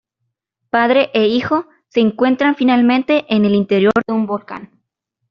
Padre e hijo se encuentran finalmente en el interior de un volcán.